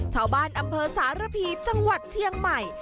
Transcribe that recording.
ชาวบ้านอำเภอสารพีจังหวัดเชียงใหม่